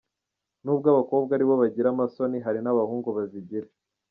Nubwo abakobwa aribo bagira amasoni, hari n’abahungu bazigira.